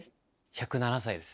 １０７歳です。